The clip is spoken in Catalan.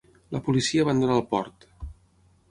La policia abandona el port.